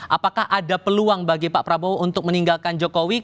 apakah ada peluang bagi pak prabowo untuk meninggalkan jokowi